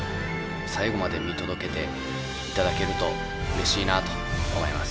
最後まで見届けていただけるとうれしいなと思います。